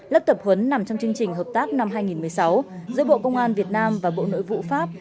lớp tập huấn nằm trong chương trình hợp tác năm hai nghìn một mươi sáu giữa bộ công an việt nam và bộ nội vụ pháp